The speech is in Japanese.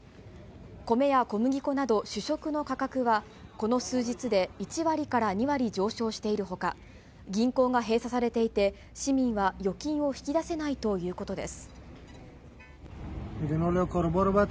コメや小麦粉など、主食の価格は、この数日で１割から２割上昇しているほか、銀行が閉鎖されていて、市民は預金を引き出せないということです。